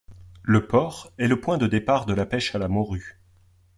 Le port est le point de départ de la pêche à la morue.